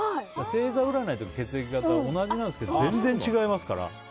星座占いとか血液型同じなんですけど全然違いますから。